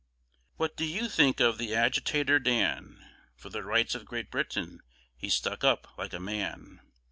What do you think of the agitator Dan? For the rights of Great Britain he stuck up like a man.